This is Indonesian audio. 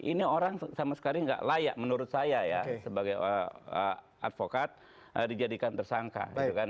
ini orang sama sekali tidak layak menurut saya sebagai advokat dijadikan tersangka